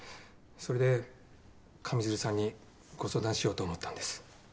それで上水流さんにご相談しようと思ったんです。